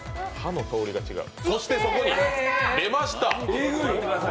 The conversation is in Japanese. そしてそこに出ました！